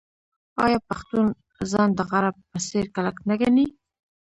آیا پښتون ځان د غره په څیر کلک نه ګڼي؟